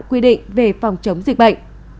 quy định về phòng chống dịch bệnh